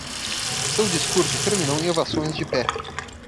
Seu discurso terminou em ovações de pé.